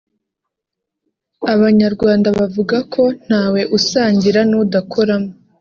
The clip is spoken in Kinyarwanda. Abanyarwanda bavuga ko ntawe usangira n’udakoramo